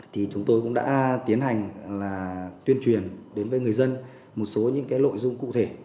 thì chúng tôi cũng đã tiến hành là tuyên truyền đến với người dân một số những cái nội dung cụ thể